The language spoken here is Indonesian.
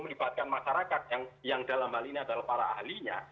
melibatkan masyarakat yang dalam hal ini adalah para ahlinya